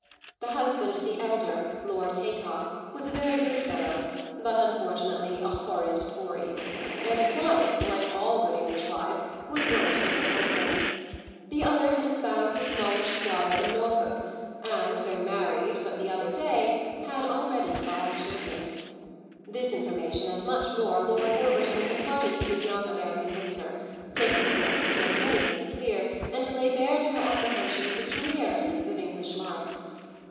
The husband of the elder, Lord Haycock, was a very good fellow, but unfortunately a horrid Tory; and his wife, like all good English wives, was worse than her husband. The other had espoused a smallish squire in Norfolk and, though married but the other day, had already five children. This information and much more Lord Warburton imparted to his young American listener, taking pains to make many things clear and to lay bare to her apprehension the peculiarities of English life.